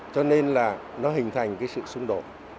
cho nên là nó hình thành cái sự xung đột